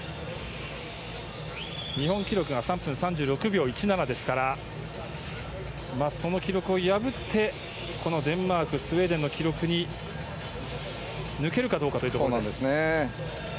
日本記録が３分３６秒１７ですからその記録を破ってデンマークスウェーデンの記録を抜けるかどうかというところ。